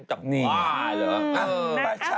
หว่าหรือ